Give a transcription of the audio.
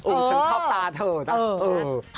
เออถึงเข้าใจตาเถอะค่ะ